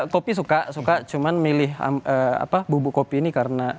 kopi suka suka cuman milih bubuk kopi ini karena